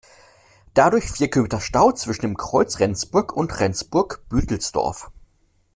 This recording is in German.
Dadurch vier Kilometer Stau zwischen dem Kreuz Rendsburg und Rendsburg-Büdelsdorf.